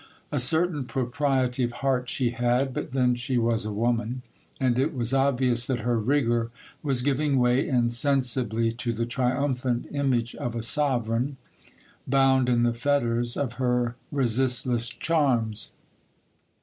A certain propriety of heart she had ; but then she was a woman ; and it was obvious that her rigour was giving way insensibly to the triumphant image of a sovereign, bound in the fetters of her resistless charms.